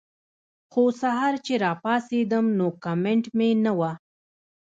خو سحر چې راپاسېدم نو کمنټ مې نۀ وۀ